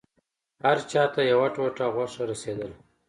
هر چا ته يوه ټوټه غوښه رسېدله.